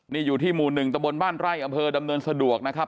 นี่อยู่ที่หมู่๑ตะบนบ้านไร่อำเภอดำเนินสะดวกนะครับ